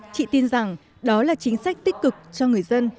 chị tin rằng đó là chính sách tích cực cho người dân